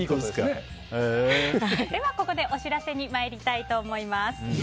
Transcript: ここでお知らせに参りたいと思います。